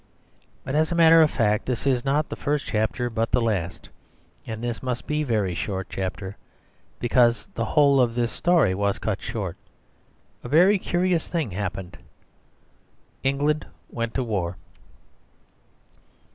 But as a matter of fact this is not the first chapter but the last. And this must be a very short chapter, because the whole of this story was cut short. A very curious thing happened. England went to war.